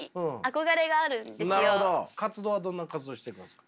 活動はどんな活動していますか？